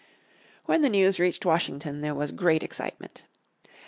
When the news reached Washington there was great excitement.